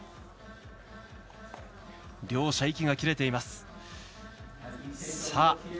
両者、息が切れています。